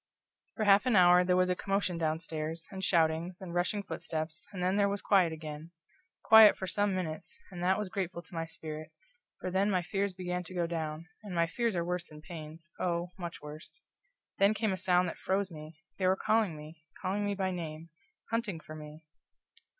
For half an hour there was a commotion downstairs, and shoutings, and rushing footsteps, and then there was quiet again. Quiet for some minutes, and that was grateful to my spirit, for then my fears began to go down; and fears are worse than pains oh, much worse. Then came a sound that froze me. They were calling me calling me by name hunting for me!